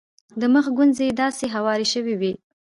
د مخ ګونځې یې داسې هوارې شوې وې.